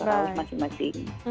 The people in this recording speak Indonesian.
maka di rumah masing masing